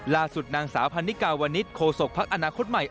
ล่าสุดนางสาวพันนิกาวนิษฐโคศกภักดิ์อนาคตใหม่